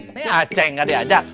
ini aceh enggak diajak